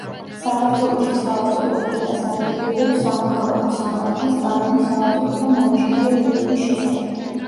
საქართველოში საავტორო უფლებას არეგულირებს სამოქალაქო სამართლის კანონი „საავტორო და მომიჯნავე უფლებების შესახებ“.